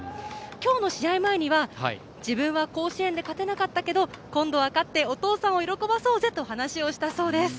今日の試合前には自分は甲子園で勝てなかったけど今度は勝ってお父さんを喜ばせようぜと話をしたそうです。